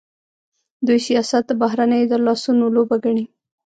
دوی سیاست د بهرنیو د لاسونو لوبه ګڼي.